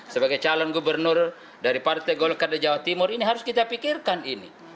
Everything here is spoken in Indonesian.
sebagai calon gubernur dari partai golkar di jawa timur ini harus kita pikirkan ini